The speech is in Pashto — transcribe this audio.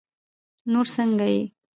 نور څنګه يې؟